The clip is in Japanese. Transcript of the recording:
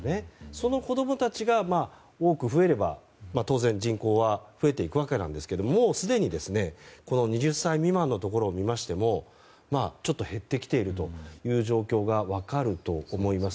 その子供たちが多く増えれば当然、人口は増えていくわけですがもうすでに２０歳未満のところを見ましてもちょっと減ってきているという状況が分かると思います。